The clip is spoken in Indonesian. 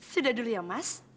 sudah dulu ya mas